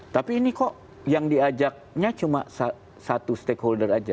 tapi ini kok yang diajaknya cuma satu stakeholder aja